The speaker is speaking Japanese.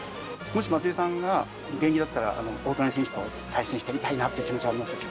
もし、松井さんが現役だったら、大谷選手と対戦してみたいなって気持ちはありますか？